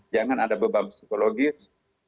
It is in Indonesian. jangan ada beban psikologis